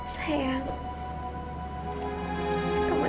dan kehamilan aku